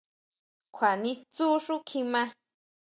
¿Kjua nistsjú xú kjimá?